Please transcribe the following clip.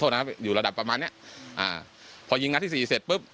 โทษนะครับอยู่ระดับประมาณเนี้ยอ่าพอยิงงานที่สี่เสร็จปุ๊บ